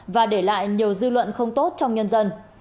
và để lại nhiều dư luận không tốt trong nhân dân